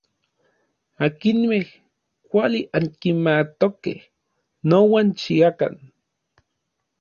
Akinmej kuali ankimatokej, nouan xiakan.